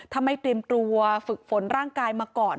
ถ้าไม่เตรียมตัวฝึกฝนร่างกายมาก่อน